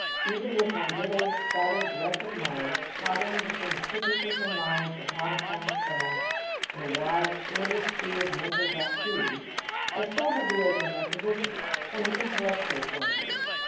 Even with my little, shattered wreck of mind, tottering between a superficial knowledge of how to pound sand and a wide, shoreless sea of mental vacuity, I still had the edge on my physician, from an intellectual point of view.